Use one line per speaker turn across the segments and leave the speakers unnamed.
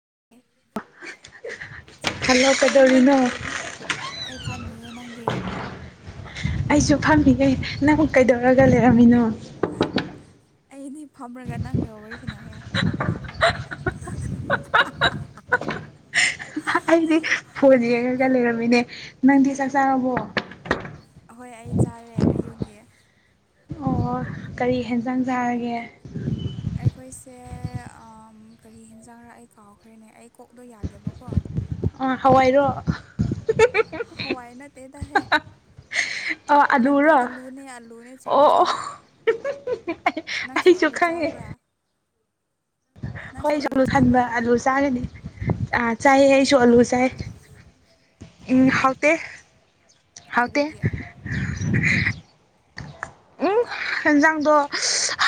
[inaudible] Hello ꯀꯩꯗꯧꯔꯤꯅꯣ
ꯑꯩ ꯐꯥꯝꯃꯤꯌꯦ ꯅꯪꯗꯤ
ꯑꯩꯁꯨ ꯐꯝꯃꯤꯉꯦ ꯅꯪ ꯀꯩꯗꯧꯔꯒ ꯂꯩꯔꯝꯃꯤꯅꯣ
ꯑꯩꯗꯤ ꯐꯝꯔꯒ ꯅꯪꯒ ꯋꯥꯔꯤ ꯁꯅꯑꯦ
ꯑꯩꯗꯤ ꯐꯣꯟꯁ ꯌꯦꯡꯉꯒ ꯂꯩꯔꯝꯃꯤꯅꯦ ꯅꯪꯗꯤ ꯆꯥꯛ ꯆꯥꯔꯕꯣ
ꯑꯍꯣꯏ ꯑꯩ ꯆꯥꯔꯦ ꯑꯩꯌꯨꯒꯤ
ꯑꯣ ꯀꯔꯤ ꯌꯦꯦꯟꯖꯥꯡ ꯆꯥꯑꯒꯦ
ꯁꯦ ꯀꯔꯤ ꯍꯦꯟꯖꯥꯡꯔꯥ ꯑꯩ ꯀꯥꯎꯈ꯭ꯔꯦꯅꯦ ꯑꯩ ꯀꯣꯛꯗꯣ ꯌꯥꯗꯦꯕꯀꯣ
ꯑ ꯍꯋꯥꯏꯔꯣ
ꯍꯋꯥꯏ ꯅꯠꯇꯦ ꯇꯍꯦ
ꯑꯣ
ꯅꯠꯇꯦ
ꯑꯂꯨꯔꯣ
ꯑꯂꯨꯅꯦ ꯑꯂꯨꯅꯦ
ꯑꯣ
ꯆꯨꯝꯃꯦ
ꯑꯣ
ꯆꯨꯝꯃꯦ ꯅꯪꯁꯨ
ꯑꯩꯁꯨ
ꯑꯂꯨ
ꯈꯪꯉꯦ
ꯆꯥꯕ꯭ꯔꯥ
ꯍꯣꯏ
ꯅꯪꯁꯨ
ꯑꯩꯁꯨ ꯑꯂꯨ ꯈꯟꯕ
ꯆꯥꯕ꯭ꯔꯣ
ꯑꯥꯂꯨ ꯆꯥꯒꯅꯤ ꯆꯥꯏꯑ ꯑꯩꯁꯨ ꯑꯥꯂꯨ
ꯍꯥꯎꯕ꯭ꯔꯥ
ꯆꯥꯏ ꯎꯝ
ꯍꯥꯎꯕ꯭ꯔꯥ
ꯍꯥꯎꯇꯦ ꯍꯥꯎꯗ
ꯀꯔꯤꯒꯤ
ꯎꯝ ꯏꯟꯖꯥꯡꯗꯣ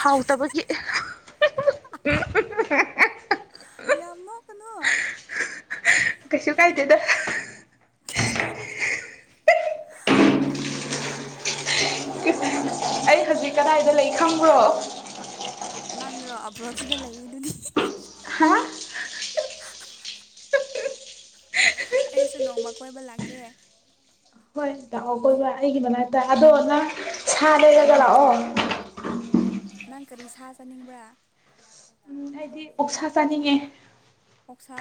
ꯍꯥꯎꯇꯕꯒꯤ
ꯌꯥꯝ ꯅꯣꯛ ꯀꯅꯨ
ꯀꯩꯁꯨ ꯀꯥꯏꯗꯦꯗ
ꯑꯩꯗꯤ ꯅꯣꯛꯅꯤꯡꯉꯦ ꯅꯣꯏꯁꯦ
ꯑꯩ ꯍꯧꯖꯤꯛ ꯀꯗꯥꯏꯗ ꯂꯩ ꯈꯪꯕ꯭ꯔꯣ
ꯁꯤꯗ ꯂꯩꯌꯦ ꯑꯗꯨꯅꯤ
ꯑꯃ
ꯑꯩꯁꯨ ꯅꯣꯡꯃ ꯀꯣꯏꯕ ꯂꯥꯛꯀꯦ
ꯍꯣꯏ ꯂꯥꯛꯑꯣ ꯀꯣꯏꯕ ꯑꯩꯒꯤꯗ ꯍꯥꯏꯛꯇ ꯑꯗꯣ ꯅ ꯁꯥ ꯂꯩꯔꯗ ꯂꯥꯛꯑꯣ
ꯅꯪ ꯀꯔꯤ ꯁꯥ ꯆꯥꯅꯤꯡꯕ꯭ꯔꯥ
ꯎꯝ ꯍꯥꯏꯗꯤ ꯑꯣꯛꯁꯥ ꯆꯥꯅꯤꯡꯉꯦ
ꯑꯣꯛꯁꯥ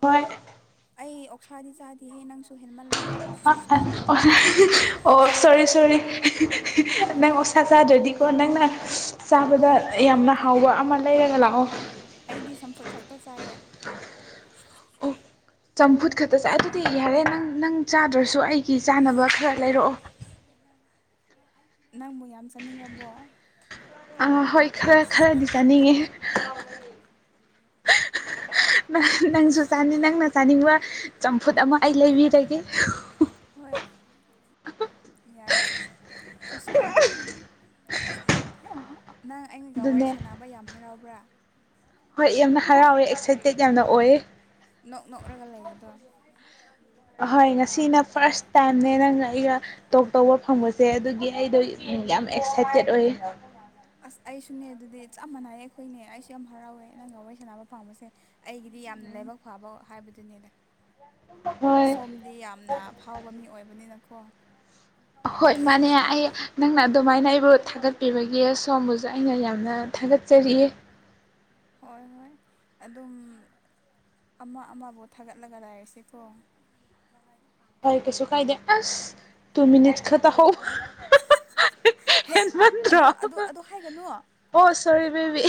ꯍꯣꯏ
ꯁꯥꯥꯗꯤ ꯆꯥꯗꯤ ꯍ ꯅꯪꯁ
ꯑ ꯑꯣ ꯁꯣꯔꯤ ꯁꯣꯔꯤ ꯅꯪ ꯑꯣꯁꯥ ꯆꯥꯗ꯭ꯔꯗꯤꯀꯣ ꯅꯪꯅ ꯆꯥꯕꯗ ꯌꯥꯝꯅ ꯍꯥꯎꯕ ꯑꯃ ꯂꯩꯔꯒ ꯂꯥꯛꯑꯣ
ꯑꯩꯗꯤ ꯁꯝꯐꯨꯠ ꯈꯛꯇ ꯆꯥꯏꯌꯦ
ꯑꯣ ꯆꯝꯐꯨꯠ ꯈꯛꯇ ꯆꯥꯏ ꯑꯗꯨꯗꯤ ꯌꯥꯔꯦ ꯅꯪ ꯅꯪ ꯆꯥꯗ꯭ꯔꯁꯨ ꯑꯩꯒꯤ ꯆꯥꯅꯕ ꯈꯔ ꯂꯩꯔꯛꯑꯣ
ꯅꯪꯕꯨ ꯌꯥꯝ ꯆꯥꯅꯤꯡꯉꯕꯣ
ꯑꯥ ꯍꯣꯏ ꯈꯔ ꯈꯔꯗꯤ ꯆꯥꯅꯤꯡꯉꯦ ꯅꯪꯁꯨ ꯆꯥꯅꯤ ꯅꯪꯅ ꯆꯥꯅꯤꯡꯕ ꯆꯝꯐꯨꯠ ꯑꯃ ꯑꯩ ꯂꯩꯕꯤꯔꯒꯦ
ꯍꯣꯏ ꯌꯥꯏꯌꯦ ꯀꯩꯁꯨ ꯀꯥꯏꯗꯦ ꯅꯪ ꯑꯩꯩꯅꯒ ꯋꯥꯔꯤ
ꯑꯗꯨꯅꯦ
ꯁꯥꯟꯅꯕ ꯌꯥꯝ ꯍꯔꯥꯎꯕ꯭ꯔꯥ
ꯍꯣꯏ ꯌꯥꯝꯅ ꯍꯔꯥꯎꯋꯦ ꯑꯦꯛꯁꯥꯏꯇꯦꯠ ꯌꯥꯝꯅ ꯑꯣꯏ
ꯅꯣꯛ ꯅꯣꯛꯂꯒ ꯂꯩꯗꯣ
ꯑꯍꯣꯏ ꯉꯁꯤꯅ ꯐꯥꯔꯁ ꯇꯥꯏꯝꯅꯦ ꯅꯪ ꯑꯩꯒ ꯇꯣꯛ ꯇꯧꯕ ꯐꯪꯕꯁꯦ ꯑꯗꯨꯒꯤ ꯑꯩꯗꯣ ꯌꯥꯝ ꯑꯦꯛꯁꯥꯏꯇꯦꯠ ꯑꯣꯏꯌꯦ
ꯑꯁ ꯑꯩꯁꯨꯅꯦ ꯑꯗꯨꯗꯤ ꯆꯞ ꯃꯥꯟꯅꯏꯌꯦ ꯑꯩꯈꯣꯏꯅꯦ ꯑꯩꯁꯨ ꯌꯥꯝ ꯍꯔꯥꯎꯋꯦ ꯅꯪ ꯉ ꯋꯥꯔꯤꯩ ꯁꯥꯟꯅꯕ ꯄꯥꯕꯁꯦ ꯑꯩꯒꯤꯗꯤ ꯌꯥꯝꯅ ꯂꯥꯏꯕꯛ ꯐꯕ ꯍꯥꯏꯕꯗꯨꯅꯦꯅꯦ
ꯍꯣꯏ
ꯁꯣꯝꯗꯤ ꯌꯥꯝꯅ ꯐꯥꯎꯕ ꯃꯤ ꯑꯣꯏꯕꯅꯤꯅ ꯀ
ꯍꯣꯏ ꯃꯥꯅꯦ ꯑꯩ ꯅꯪꯅ ꯑꯗꯨꯃꯥꯏꯅ ꯕꯨ ꯊꯥꯒꯠꯄꯤꯕꯒꯤ ꯁꯣꯝꯕꯨꯁꯨ ꯑꯩꯅ ꯌꯥꯝꯅ ꯊꯥꯒꯠꯆꯔꯤ
ꯍꯣꯏ - ꯍꯣꯏ ꯑꯗꯨꯝ ꯑꯃ ꯑꯃꯕꯨ ꯊꯥꯒꯠꯂꯒ ꯂꯩꯔꯥꯁꯤꯀꯣ ꯫
ꯍꯣꯏ ꯀꯩꯁꯨ ꯀꯥꯏꯗꯦ ꯑꯁ ꯇꯨ ꯃꯤꯅꯤꯠꯁ ꯈꯛꯇ ꯍꯧ [unintelligible]
ꯍꯦ ꯑꯗꯨ
ꯍꯦꯟꯃꯟꯗꯔꯣ
ꯑꯗꯨ ꯑꯗꯨ ꯍꯥꯏꯒꯅꯨ
ꯑꯣ ꯁꯣꯔꯤ ꯕꯦꯕꯤ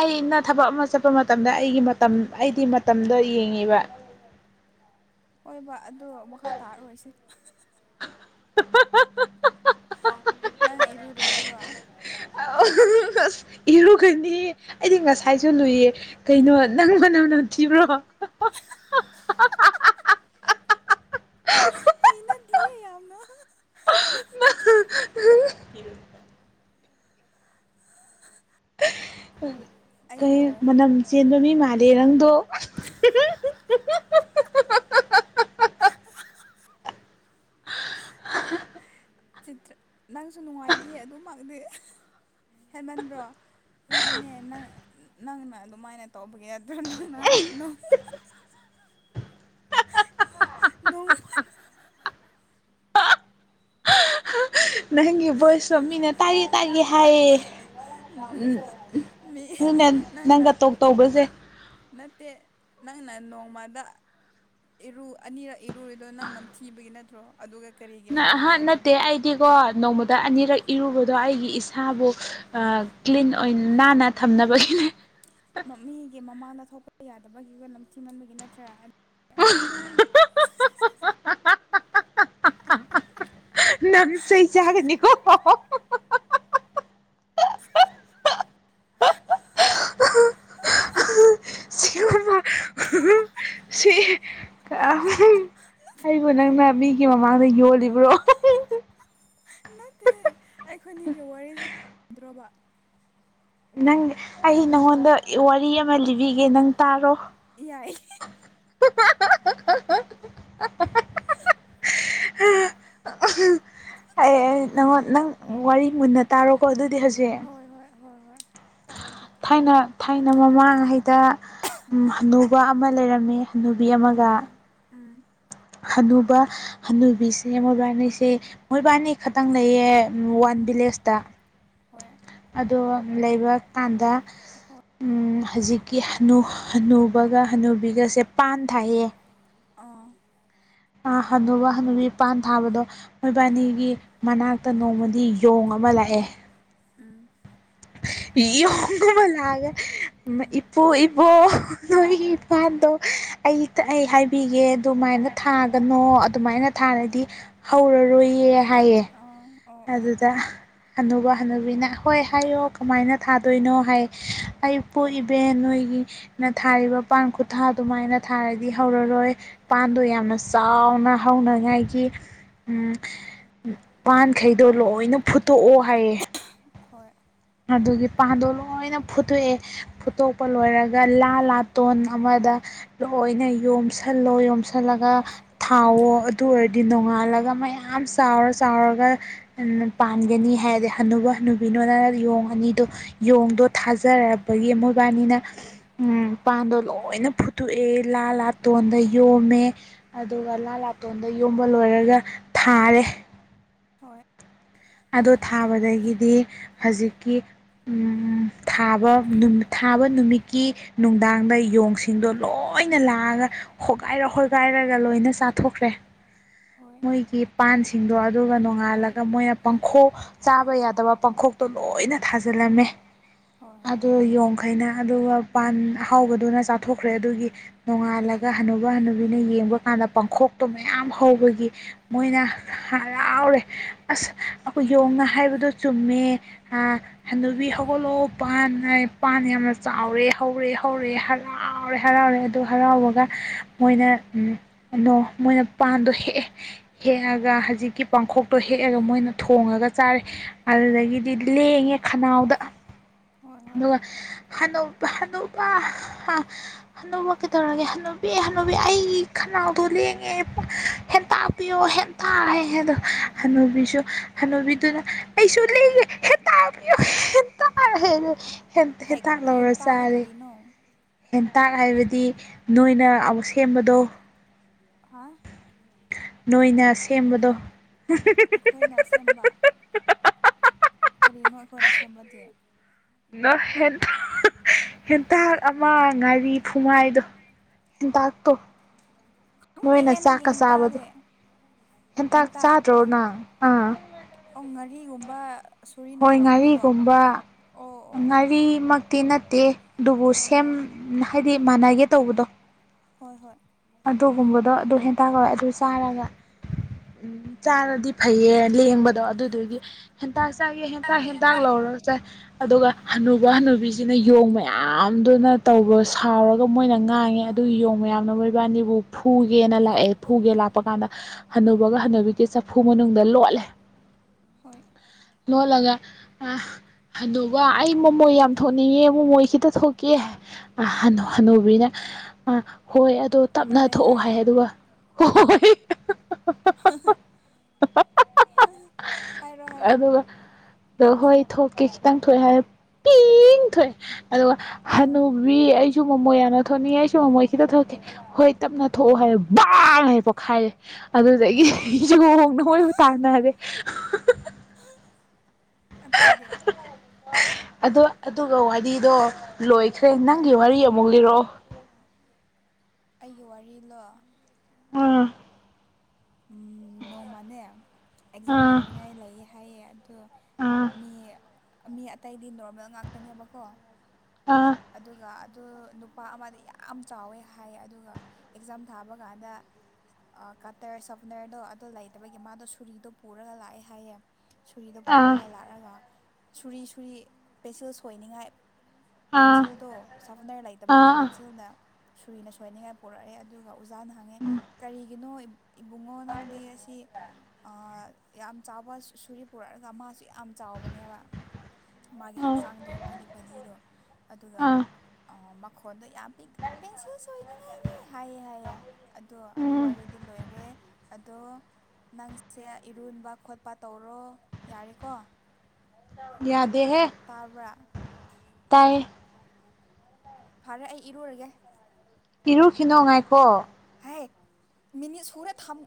ꯑꯩꯅ ꯊꯕꯛ ꯑꯃ ꯆꯠꯄ ꯃꯇꯝꯗ ꯑꯩꯒꯤ ꯃꯇꯝ ꯑꯩꯗꯤ ꯃꯇꯝꯗꯣ ꯌꯦꯡꯉꯤꯕ꯫
ꯍꯣꯏꯕ ꯫ ꯑꯗꯣ ꯃꯈꯥ ꯇꯥꯔꯔꯣꯏꯁꯦ꯫
[unintelligible]
ꯅꯪ ꯏꯔꯨꯔꯣꯗꯔꯣ?
ꯑꯁ ꯏꯔꯨꯒꯅꯤ ꯑꯩꯗꯤ ꯉꯁꯥꯏꯁꯨ ꯂꯨꯏꯌꯦ ꯀꯩꯅꯣ ꯅꯪ ꯃꯅꯝ ꯅꯝ ꯊꯤꯕ꯭ꯔꯣ? [unintelligible] [unintelligible]
[unintelligible] ꯌꯥꯝꯅ
[unintelligible] [unintelligible] ꯀꯩ
ꯑꯩꯗꯣ
ꯃꯅꯝ ꯆꯦꯟꯕ ꯃꯤ ꯃꯥꯜꯂꯤ [unintelligible]
ꯆꯤ꯭ꯇꯔ ꯅꯪꯁꯨ ꯅꯨꯡꯉꯥꯏꯇꯦ ꯑꯗꯨꯃꯛꯗꯤ ꯍꯦꯟꯃꯟꯕ꯭ꯔꯣ ꯃꯤꯗꯤꯅꯦ ꯅꯪꯅ ꯑꯗꯨꯃꯥꯏꯅ ꯇꯧꯕꯒꯤ ꯌꯥꯗ꯭ꯔꯣ ꯅꯪꯅ ꯅ
ꯅꯪꯒꯤ ꯚꯣꯏꯁꯁꯨꯣ ꯃꯤꯅ ꯇꯥꯒꯦ- ꯇꯥꯒꯦ ꯍꯥꯏꯌꯦ
ꯃꯤ
ꯅꯪꯅ
ꯅꯪꯅ
ꯅꯪꯒ ꯇꯣꯛ ꯇꯧꯕꯁꯦ
ꯅꯠꯇꯦ ꯅꯪꯅ ꯅꯣꯡꯃꯗ ꯏꯔꯨ ꯑꯅꯤꯔꯛ ꯏꯔꯨꯔꯤꯗꯣ ꯅꯪꯅ ꯊꯤꯕꯒꯤ ꯅꯠꯇ꯭ꯔꯣ ꯑꯗꯨꯒ ꯀꯔꯤꯒꯤ ꯑꯩꯉꯣꯟꯗ
ꯑꯍ ꯅꯠꯇꯦ
ꯍꯥꯏꯔꯤꯕ
ꯑꯩꯗꯤꯀꯣ ꯅꯣꯡꯃ ꯗ ꯑꯅꯤꯔꯛ ꯏꯔꯨꯕꯗꯣ ꯑꯩꯒꯤ ꯏꯁꯥꯕꯨ ꯀ꯭ꯂꯤꯟ ꯑꯣꯏꯅ ꯅꯥꯟꯅ ꯊꯝꯅꯕꯒꯤꯅꯦ ꯫
ꯃꯤꯒꯤ ꯃꯃꯥꯡꯗ ꯊꯣꯛꯄ ꯌꯥꯗꯕꯒꯤ ꯅꯝꯊꯤꯃꯟꯕꯒꯤ ꯅꯠꯇ꯭ꯔꯥ ꯫
ꯅꯪ ꯆꯩ ꯆꯥꯒꯅꯤꯀꯣ ꯁꯤꯒꯨꯝꯕ ꯁꯤ ꯑꯩꯕꯨ ꯅꯪꯅ ꯃꯤꯒꯤ ꯃꯃꯥꯡꯗ ꯌꯣꯜꯂꯤꯕ꯭ꯔꯣ?
ꯅꯠꯇꯦ ꯑꯩꯈꯣꯏꯅꯤꯒꯤ ꯋꯥꯔꯤꯁꯤ ꯗ꯭ꯔꯕ
ꯅꯪ ꯑꯩ ꯅꯪꯉꯣꯟꯗ ꯋꯥꯔꯤ ꯑꯃ ꯂꯤꯕꯤꯒꯦ ꯅꯪ ꯇꯥꯔꯣ꯫
ꯌꯥꯏ
ꯑꯩ ꯅ ꯅꯪ ꯋꯥꯔꯤ ꯃꯨꯟꯅ ꯇꯥꯔꯣꯀꯣ ꯑꯗꯨ ꯍꯧꯖꯤꯛ
ꯍꯣꯏ ꯍꯣꯏ ꯍꯣꯏ ꯍꯣꯏ ꯇꯥꯔꯒꯦ
ꯊꯥꯏꯅ ꯑꯩꯅ ꯃꯃꯥꯡꯉꯩꯗ ꯍꯅꯨꯕ ꯑꯃ ꯂꯩꯔꯝꯃꯤ ꯍꯅꯨꯕꯤ ꯑꯃꯒ
ꯑꯥ ꯎꯝ
ꯍꯅꯨꯕ ꯍꯅꯨꯕꯤꯁꯦ ꯃꯣꯏꯕꯥꯅꯤꯁꯦ ꯃꯣꯏꯕꯥꯅꯤ ꯈꯛꯇꯪ ꯂꯩꯌꯦ ꯫ ꯋꯥꯟ
ꯎꯝ
ꯚꯤꯂꯦꯖꯇ
ꯍꯣꯏ
ꯑꯗꯣ ꯂꯩꯕ ꯀꯥꯟꯗ
ꯍꯣꯏ
ꯍꯧꯖꯤꯛꯀꯤ ꯍꯅꯨ ꯍꯅꯨꯕꯒ ꯍꯅꯨꯕꯤꯒꯁꯦ ꯄꯥꯟ ꯊꯥꯌꯦ
ꯑꯥ
ꯍꯟꯅꯨꯕ ꯍꯟꯅꯨꯕꯤꯄꯥꯟ ꯊꯥꯕꯗꯣ
ꯎꯝ
ꯃꯣꯏꯕꯥꯅꯤꯒꯤ ꯃꯅꯥꯛꯇ ꯅꯣꯡꯃꯗꯤ ꯌꯣꯡ ꯑꯃ ꯂꯥꯛꯑꯦ
ꯎꯝ
ꯌꯣꯡꯒꯨꯝꯕ ꯂꯥꯛꯑꯒ
ꯎꯝ
ꯏꯄꯨ ꯏꯕꯣꯛ ꯅꯣꯏꯒꯤ ꯄꯥꯟꯗꯣ ꯑꯩ ꯑꯩ ꯍꯥꯏꯕꯤꯒꯦ ꯑꯗꯨꯃꯥꯏꯅ ꯊꯥꯒꯅꯣ ꯑꯗꯨꯃꯥꯏꯅ ꯊꯥꯔꯗꯤ ꯍꯧꯔꯔꯣꯏꯌꯦ ꯍꯥꯏꯌꯦ
ꯑꯥ ꯑꯣ ꯑꯣ
ꯑꯗꯨꯗ ꯍꯅꯨꯕ ꯍꯅꯨꯕꯤꯅ ꯍꯣꯏ ꯍꯥꯏꯌꯣ ꯀꯃꯥꯏꯅ ꯊꯥꯗꯣꯏꯅꯣ ꯍꯥꯏ ꯏꯄꯨ ꯏꯕꯦꯟ ꯅꯣꯏꯒꯤꯅ ꯊꯥꯔꯤꯕ ꯄꯥꯟ ꯈꯨꯊꯥ ꯑꯗꯨꯃꯥꯏꯅ ꯊꯥꯔꯗꯤ ꯍꯧꯔꯔꯣꯏ ꯄꯥꯟꯗꯣ ꯌꯥꯝꯅ ꯆꯥꯎꯅ ꯍꯧꯅꯉꯥꯏꯒꯤ ꯄꯥꯟ ꯃꯈꯈꯩꯗꯣ ꯂꯣꯏꯅ ꯐꯨꯠꯇꯣꯛꯑꯣ ꯍꯥꯏꯌꯦ
ꯍꯣꯏ
ꯑꯗꯨꯒꯤ ꯄꯥꯟꯗꯣ ꯂꯣꯏꯅ ꯐꯨꯠꯇꯣꯛꯑꯦ ꯐꯨꯠꯇꯣꯛꯄ ꯂꯣꯏꯔꯒ ꯂꯥ ꯂꯥꯇꯣꯟ ꯑꯃꯗ ꯂꯣꯏꯅ ꯌꯣꯝꯁꯜꯂꯣ ꯌꯣꯝꯁꯜꯂꯒ
ꯎꯝ
ꯊꯥꯎꯋꯣ ꯑꯗꯨ ꯑꯣꯏꯔ ꯗꯤ ꯅꯣꯡꯉꯥꯜꯂꯒ ꯃꯌꯥꯝ ꯆꯥꯎꯔ ꯆꯥꯎꯔꯒ ꯄꯥꯟꯒꯅꯤ ꯍꯥꯏꯔꯗꯤ ꯍꯅꯨꯕ ꯍꯅꯨꯕꯤꯗꯣꯅ ꯌꯣꯡ ꯑꯅꯤꯗꯣ ꯌꯣꯡꯗꯣ ꯊꯥꯖꯔꯔꯕꯒꯤ ꯃꯣꯏꯕꯥꯅꯤꯅ ꯄꯥꯟꯗꯣ ꯂꯣꯏꯅ ꯐꯨꯠꯇꯣꯛꯑꯦ ꯂꯥ ꯂꯥꯇꯣꯟꯗ ꯌꯣꯝꯃꯦ ꯑꯗꯨꯒ ꯂꯥ ꯂꯥꯇꯣꯟꯗ ꯌꯣꯝꯕ ꯂꯣꯏꯔꯒ ꯊꯥꯔꯦ
ꯍꯣꯏ
ꯑꯗꯣ ꯊꯥꯕꯗꯒꯤꯗꯤ ꯍꯧꯖꯤꯛꯀꯤ ꯊꯥꯕ ꯊꯥꯕ ꯅꯨꯃꯤꯠꯀꯤ ꯅꯨꯡꯗꯥꯡꯗ ꯌꯣꯡꯁꯤꯡꯗꯣ ꯂꯣꯏꯅ ꯂꯥꯛꯑꯒ ꯈꯣꯒꯥꯏꯔ ꯍꯣꯒꯥꯏꯔꯒ ꯂꯣꯏꯅ ꯆꯥꯊꯣꯛꯈ꯭ꯔꯦ
ꯍꯣꯏ
ꯃꯣꯏꯒꯤ ꯄꯥꯟꯁꯤꯡꯗꯣ ꯑꯗꯨꯒ ꯅꯣꯡ
ꯍꯣꯏ
ꯉꯥꯂꯒ ꯃꯣꯏ ꯄꯈꯣꯛ ꯆꯥꯕ ꯌꯥꯗꯕ ꯄꯥꯡꯈꯣꯛꯇꯣ ꯂꯣꯏꯅ ꯊꯥꯖꯤꯜꯂꯝꯃꯦ
ꯍꯣꯏ ꯍꯣꯏ
ꯑꯗꯨ ꯌꯣꯡꯈꯩꯅ ꯑꯗꯨꯒ ꯄꯥꯟ ꯍꯥꯎꯕꯗꯨꯅ ꯆꯥꯊꯣꯛꯈ꯭ꯔꯦ ꯑꯗꯨꯒꯤ ꯅꯣꯡꯉꯥꯜꯂꯒ ꯍꯟꯅꯨꯕ ꯍꯅꯨꯕꯤꯅ ꯌꯦꯡꯕ ꯀꯥꯟꯗ ꯄꯥꯡꯈꯣꯛꯇꯣ ꯃꯌꯥꯝ ꯍꯧꯕꯒꯤ ꯃꯣꯏꯅ ꯍꯔꯥꯎꯔꯦ ꯑꯁ ꯑꯩꯈꯣꯏ ꯌꯣꯡꯅ ꯍꯥꯏꯕꯗꯣ ꯆꯨꯝꯃꯦ ꯑ ꯍꯅꯨꯕꯤ ꯍꯧꯒꯠꯂꯣ ꯄꯥꯟꯉ ꯄꯥꯟ ꯌꯥꯝꯅ ꯆꯥꯎꯔꯦ ꯍꯧꯔꯦ ꯍꯧꯔꯦ ꯍꯔꯥꯎꯔꯦ ꯍꯔꯥꯎꯔꯦ ꯑꯗꯨ
ꯑꯥ
ꯍꯔꯥꯎꯔꯒ ꯃꯣꯏꯅ ꯀꯩꯅꯣ ꯃꯣꯏꯅ ꯄꯥꯟꯗꯣ ꯍꯦꯛꯑꯦ ꯍꯦꯛꯑꯒ ꯍꯧꯖꯤꯛꯀꯤ ꯄꯥꯡꯈꯣꯛꯇꯣ ꯍꯦꯛꯑꯒ ꯃꯣꯏꯅ ꯊꯣꯡꯉꯒ ꯆꯥꯔꯦ ꯑꯗꯨꯗꯒꯤꯗꯤ ꯂꯦꯡꯉꯦ ꯈꯅꯥꯎꯗ
ꯍꯣꯏ ꯍꯣꯏ
ꯑꯗꯨꯒ ꯍꯅꯣ ꯍꯅꯨ ꯕ ꯀꯩꯗꯧꯔꯒꯦ ꯍꯅꯨꯕꯤ ꯍꯅꯨꯕꯤ ꯑꯩꯒꯤ ꯈꯅꯥꯎꯗꯣ ꯂꯦꯡꯉꯦ ꯍꯦꯟꯇꯥꯛꯄꯤꯌꯣ ꯍꯦꯟꯇꯥꯛ ꯍꯥꯏ ꯑꯗꯣ
ꯍꯣꯏ ꯍꯣꯏ
ꯍꯅꯨꯕꯤꯁꯨ ꯍꯅꯨꯕꯤꯗꯨꯅ ꯑꯩꯁꯨ ꯂꯦꯡꯉꯦ ꯍꯦꯟꯇꯥꯛ ꯄꯤꯌꯣ ꯍꯦ ꯍꯦꯟ
ꯍꯦꯛ
ꯇꯥꯛ ꯂꯧꯔ
ꯍꯦꯟꯇꯥꯗꯤ
ꯆꯥꯔꯦ꯫
ꯀꯔꯤꯅꯣ
ꯍꯦꯟꯇꯥꯛ ꯍꯥꯏꯕꯗꯤ ꯅꯣꯏꯅ ꯑꯃꯨꯛ ꯁꯦꯝꯕꯗꯣ꯫
ꯍꯥ
ꯅꯣꯏꯅ ꯁꯦꯝꯕꯗꯣ꯫
ꯑꯩꯈꯣꯏꯅ ꯁꯦꯝꯕ ꯀꯔꯤꯅꯣ ꯑꯩꯈꯣꯏꯅ ꯁꯦꯝꯕꯗꯤ꯫
ꯅ ꯍꯦꯟꯇꯥꯛ ꯍꯦꯟꯇꯥꯛ ꯑꯃ ꯉꯥꯔꯤ ꯐꯨꯃꯥꯏꯗꯣ ꯍꯦꯟꯇꯥꯛꯇꯣ꯫ ꯅꯣꯏꯅ
ꯈꯪꯗꯦꯍꯦ ꯅꯪꯒꯤ
ꯆꯥꯛꯀ ꯆꯥꯕꯗꯣ
ꯍꯦꯟꯇꯥꯗꯤ
ꯍꯦꯟꯇꯥꯛ
ꯍꯦꯟꯇꯥ
ꯆꯥꯗ꯭ꯔꯣ ꯅꯪ꯫ ꯑꯥ
ꯑꯣ ꯉꯥꯔꯤꯒꯨꯝꯕ ꯁꯣꯔꯤꯅ
ꯍꯣꯏ
ꯄꯨꯔꯛꯄꯗꯨꯔꯣ ꯑꯣ
ꯉꯥꯔꯤꯒꯨꯝꯕ
ꯑꯣ ꯑꯣ꯫
ꯇꯦ ꯑꯗꯨꯕꯨ ꯁꯦꯝ
ꯍꯣꯏ ꯍꯣꯏ
ꯍꯥꯏꯗꯤ ꯃꯥꯟꯅꯒꯦ ꯇꯧꯕꯗꯣ꯫
ꯍꯣꯏ-ꯍꯣꯏ
ꯑꯗꯨꯒꯨꯝꯕꯗꯣ ꯑꯗꯨ ꯍꯦꯟꯇꯥꯥꯛ ꯀꯧꯋꯦ ꯑꯗꯨ ꯆꯥꯔꯒ ꯆꯥꯔꯗꯤ ꯐꯩꯌꯦ ꯂꯦꯡꯕꯗꯣ ꯑꯗꯨꯗꯨꯒꯤ ꯍꯦꯟꯇꯥꯛ
ꯑꯥ
ꯆꯥꯒꯦ ꯍꯦꯟꯇꯥꯛ-ꯍꯦꯟꯇꯥꯛ ꯂꯧꯔꯒ ꯆꯥꯏ꯫ ꯑꯗꯨꯒ ꯍꯅꯨꯕ ꯍꯅꯨꯕꯤꯁꯤꯅ ꯌꯣꯡ ꯃꯌꯥꯝꯗꯨꯅ ꯇꯧꯕ ꯁꯥꯎꯔꯒ ꯃꯣꯏꯅ ꯉꯥꯡꯉꯦ
ꯑꯥ
ꯑꯗꯨꯒꯤ ꯌꯣꯡ ꯃꯌꯥꯝꯅ ꯃꯣꯏꯕꯥꯅꯤꯕꯨ ꯐꯨꯒꯦꯅ ꯂꯥꯛꯑꯦ ꯐꯨꯒꯦ ꯂꯥꯛꯄ ꯀꯥꯟꯗ ꯍꯟꯅꯨꯕꯒ ꯍꯟꯅꯨꯕꯤꯒꯤ ꯆꯐꯨ ꯃꯅꯨꯡꯗ ꯂꯣꯠꯂꯦ
ꯍꯣꯏ
ꯂꯣꯠꯂꯒ ꯑ ꯍꯅꯨꯕ ꯑꯩ ꯃꯣꯃꯣꯏ ꯌꯥꯝ ꯊꯣꯛꯅꯤꯡꯉꯦ ꯃꯣꯃꯣꯏ ꯈꯤꯇ ꯊꯣꯛꯀꯦ ꯑ ꯍꯅꯨꯕꯤꯅ ꯑ ꯍꯣꯏ ꯑꯗꯣ ꯇꯞꯅ
ꯃꯣꯏ
ꯊꯣꯛꯑꯣ ꯍꯥꯏ
ꯍꯥꯏꯔꯣ
ꯑꯗꯨꯒ ꯍꯣꯍꯣꯏ [unintelligible]
ꯍꯥꯏꯔꯣ-ꯍꯥꯏꯔꯣ
ꯗ ꯍꯣꯏ ꯊꯣꯛꯀꯦ ꯈꯤꯇꯪ ꯊꯣꯛꯑꯦ ꯍꯥꯏꯔꯦ ꯄꯤꯡ ꯊꯣꯛꯑꯦ ꯑꯗꯨꯒ
ꯑꯥ
ꯍꯅꯨꯕꯤ ꯑꯩꯁꯨ ꯃꯣꯃꯣꯏ ꯌꯥꯝꯅ ꯊꯣꯅꯤꯡꯉꯦ ꯑꯩꯁꯨ ꯃꯣꯏ ꯈꯤꯇꯥ ꯊꯣꯛꯀꯦ ꯍꯣꯏ ꯇꯞꯅ ꯊꯣꯛꯑꯣ ꯍꯥꯏꯔꯦ ꯕꯥꯡ ꯍꯥꯏ ꯄꯣꯈꯥꯏꯔꯦ
ꯑꯥ
ꯑꯗꯨꯗꯒꯤꯗꯤ ꯌꯣꯡꯅ ꯃꯣꯏꯕꯨ ꯇꯥꯟꯅꯔꯦ
ꯑꯇꯩꯗꯤ
ꯑꯗꯨ ꯑꯗꯨꯒ ꯋꯥꯔꯤꯗꯣ ꯂꯣꯏꯈ꯭ꯔꯦ
ꯍꯣꯏ
ꯅꯪꯒꯤ ꯋꯥꯔꯤ ꯑꯃꯨꯛ ꯂꯤꯔꯛꯑꯣ
ꯑꯩꯒꯤ ꯋꯥꯔꯤꯂꯣ
ꯑꯥ
ꯎꯝ ꯅꯣꯡꯃꯅꯦ ꯑꯦꯛꯖꯥꯝ
ꯑꯥ
ꯊꯥꯅꯤꯡꯉꯥꯏ ꯂꯩꯌꯦ
ꯑꯥ
ꯃꯦ ꯃꯤ ꯑꯇꯩꯗꯤ ꯅꯣꯔꯃꯦꯜ ꯉꯥꯛꯇꯅꯦꯕꯀꯣ ꯑꯗꯨꯒ ꯑꯗꯨ ꯅꯨꯄꯥ ꯑꯃꯗꯤ ꯌꯥꯝ ꯆꯥꯎꯋꯦ ꯍꯥꯏ ꯑꯗꯨꯒ ꯑꯦꯛꯖꯥꯝ ꯊꯥꯕ ꯀꯥꯟꯗ ꯑ ꯀꯇꯔ ꯁꯞꯄꯅꯔꯗꯣ ꯑꯗꯣ ꯂꯩꯇꯕꯒꯤ ꯃꯥꯗꯣ ꯁꯨꯔꯤꯗꯣ ꯄꯨꯔꯒ ꯂꯥꯛꯑꯦ ꯍꯥꯏꯌꯦ ꯁꯨꯔꯤꯗꯣ ꯄꯨꯔꯒ ꯂꯥꯛꯑꯒ ꯁꯨꯔꯤ ꯁꯨꯔꯤ ꯄꯦꯁꯤꯜ ꯁꯣꯏꯅꯤꯡꯉꯥꯏ ꯄꯦꯟꯁꯤꯜꯗꯣ ꯁꯥꯐꯅꯥꯔ ꯂꯩꯇꯕꯒꯤ ꯄꯦꯟꯁꯤꯜꯅ ꯁꯨꯔꯤꯅ ꯁꯣꯏꯅꯤꯡꯉꯥꯏ ꯄꯣꯔꯛꯑꯦ ꯑꯗꯨꯒ ꯑꯣꯖꯥꯅ ꯍꯪꯉꯦ ꯀꯔꯤꯒꯤꯅꯣ ꯏꯕꯨꯡꯉꯣ ꯅꯪꯗꯤ ꯑꯁꯤ ꯑ ꯌꯥꯝ ꯆꯥꯎꯕ ꯁꯨꯔꯤ ꯄꯨꯔꯛꯑꯒ ꯃꯥꯁꯨ ꯌꯥꯝ ꯆꯥꯎꯕꯅꯦꯕ ꯃꯥꯒꯤ ꯍꯛꯆꯥꯡꯗꯣ ꯃꯥꯒꯤ ꯕꯗꯤꯗꯣ ꯑꯗꯨꯒ ꯈꯣꯟꯗꯣ ꯌꯥꯝ ꯄꯤꯛ ꯄꯦꯟꯁꯤꯜꯁ ꯁꯣꯏꯅꯤꯡꯉꯥꯏꯅꯦ ꯍꯥꯏꯌꯦ-ꯍꯥꯏꯌꯦ ꯑꯗꯣ ꯑꯗꯨ ꯋꯥꯔꯤꯗꯨ ꯂꯣꯏ ꯑꯗꯣ ꯅꯪꯁꯦ ꯏꯔꯨꯟꯕ ꯈꯣꯠꯄ ꯇꯧꯔꯣ ꯌꯥꯔꯦꯀꯣ꯫
ꯌꯥꯗ ꯗꯦꯍꯦ
ꯇꯥꯕ꯭ꯔꯥ
ꯇꯥꯏꯌꯦ
ꯐꯔꯦ ꯑꯩ ꯏꯔꯨꯔꯒꯦ꯫
ꯏꯔꯨꯈꯤꯅꯨ‌ ꯉꯥꯏꯈꫭ꯫
ꯍꯥꯏ ꯃꯤꯅꯤ ꯁꯨꯔꯦ ꯊꯝ